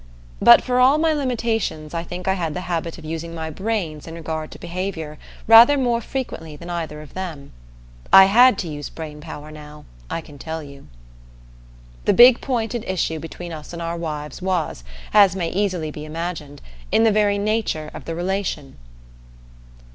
But for all my limitations I think I had the habit of using my brains in regard to behavior rather more frequently than either of them. I had to use brain power now, I can tell you. The big point at issue between us and our wives was, as may easily be imagined, in the very nature of the relation.